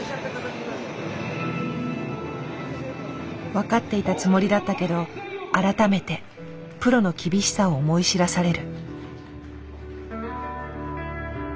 分かっていたつもりだったけど改めてプロの厳しさを思い知らされる。